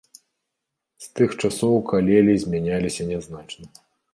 З тых часоў калелі змяніліся нязначна.